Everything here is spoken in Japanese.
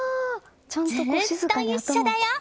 ずーっと一緒だよ！